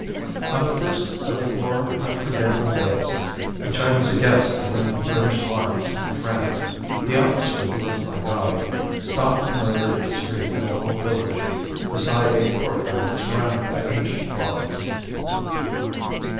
On the first of four unforgettable days during which I was a guest behind the British lines in France the officer who was my guide stopped the motor in the street of an old village, beside a courtyard surrounded by ancient barns.